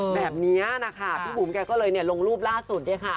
แบบนี้นะคะพี่บุ๋มก็เลยลงรูปล่าสุด